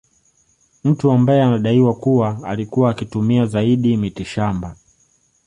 Mtu ambaye anadaiwa kuwa alikuwa akitumia zaidi mitishamba